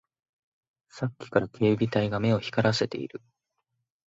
さっきから警備隊が目を光らせている